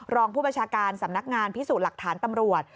รองผู้บัญชาการสำนักงานพิสูจน์หลักฐานตำรวจ